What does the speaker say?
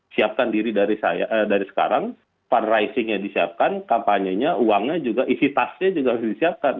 siapkan diri dari sekarang fundraisingnya disiapkan kampanyenya uangnya juga isi tasnya juga harus disiapkan